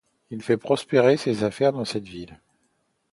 Il fait prospérer ses affaires dans cette ville.